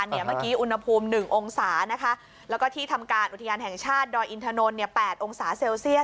เมื่อกี้อุณหภูมิ๑องศาแล้วก็ที่ทำการอุทยานแห่งชาติดอยอินทนน๘องศาเซลเซียส